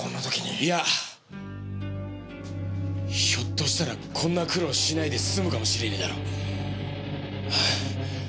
いやひょっとしたらこんな苦労しないで済むかもしれねえだろ。